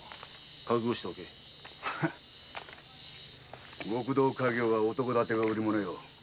覚悟しておけ極道稼業は男ダテが売り物よ。